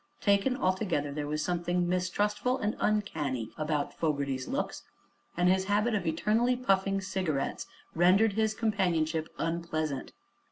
Taken altogether there was something mistrustful and uncanny about Fogerty's looks, and his habit of eternally puffing cigarettes rendered his companionship unpleasant.